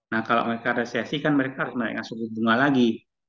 nah kalau mereka resesi kan mereka harus menaikkan suku bunga lagi